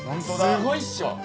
すごいっしょ？